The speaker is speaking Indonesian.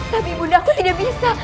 tapi ibu ndaku tidak bisa